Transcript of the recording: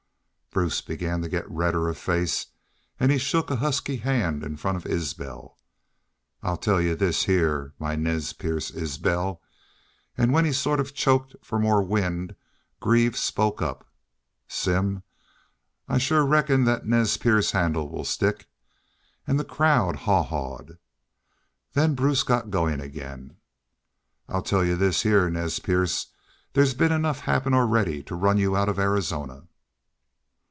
"Bruce began to git redder of face, an' he shook a husky hand in front of Isbel. 'I'll tell y'u this heah, my Nez Perce Isbel ' an' when he sort of choked fer more wind Greaves spoke up, 'Simm, I shore reckon thet Nez Perce handle will stick.' An' the crowd haw hawed. Then Bruce got goin' ag'in. 'I'll tell y'u this heah, Nez Perce. Thar's been enough happen already to run y'u out of Arizona.'